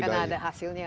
karena ada hasilnya